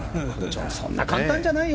そんな簡単じゃないよ